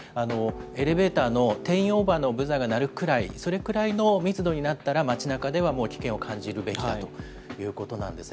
エレベーターの定員オーバーのブザーが鳴るくらい、それくらいの密度になったら、街なかではもう危険を感じるべきだということです。